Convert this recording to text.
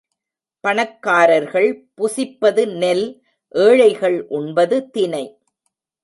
பணக்காரர்கள் புசிப்பது நெல் ஏழைகள் உண்பது தினை.